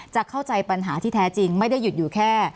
เข้าใจปัญหาที่แท้จริงไม่ได้หยุดอยู่แค่